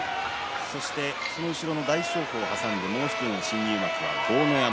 そして大翔鵬を挟んでもう１人の新入幕豪ノ山。